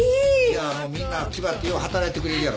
みんな気張ってよう働いてくれるやろ。